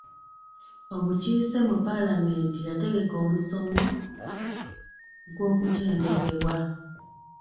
Omukiise mu palamenti yategeka omusomo gw'okutendekebwa.